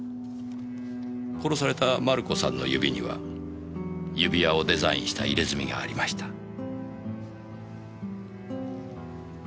殺されたマルコさんの指には指輪をデザインした入れ墨がありました。